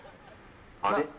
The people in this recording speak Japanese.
あれ？